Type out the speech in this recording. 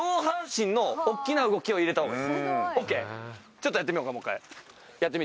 ちょっとやってみようかもう１回。